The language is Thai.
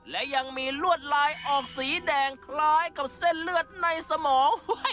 และยังมีลวดลายออกสีแดงคล้ายกับเส้นเลือดในสมอง